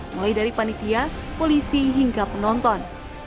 mulai dari panitia polisi hingga penonton